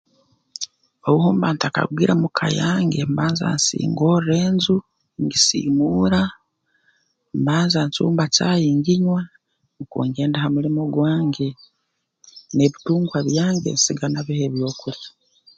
Obu mba ntakarugire muka yange mbanza nsingorra enju ngisiimuura mbanza ncumba caai nginywa nukwo ngenda ha mulimo gwange n'ebitungwa byange nsiga nabiha ebyokulya